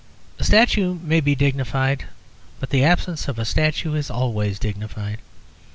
A statue may be dignified; but the absence of a statue is always dignified.